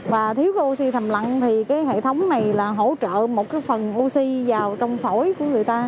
và thiếu oxy thầm lặng thì cái hệ thống này là hỗ trợ một cái phần oxy vào trong phổi của người ta